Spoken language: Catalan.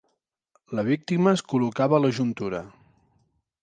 La víctima es col·locava a la juntura.